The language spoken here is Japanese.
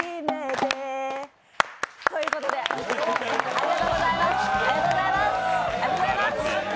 ありがとうございます。